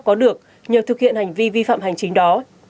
có được nhờ thực hiện hành vi vi phạm hành chính đó